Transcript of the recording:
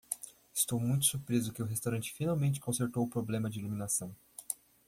Estou muito surpreso que o restaurante finalmente consertou o problema de iluminação.